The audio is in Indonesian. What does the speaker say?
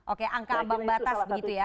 oke angka ambang batas begitu ya